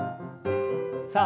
さあ